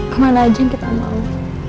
aman aja yang kita mau